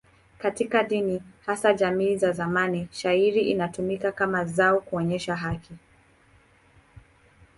Katika dini, hasa jamii za zamani, shayiri ilitumika kama zao kuonyesha haki.